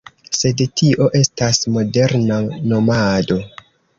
Sed tio estas moderna nomado.